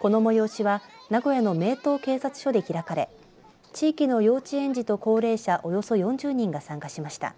この催しは名古屋の名東警察署で開かれ地域の幼稚園児と高齢者およそ４０人が参加しました。